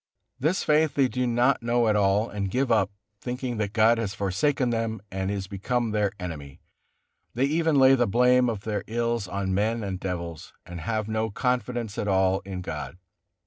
This faith they do not know at all, and give up, thinking that God has forsaken them and is become their enemy; they even lay the blame of their ills on men and devils, and have no confidence at all in God.